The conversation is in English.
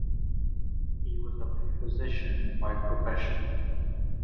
He was a physician by profession.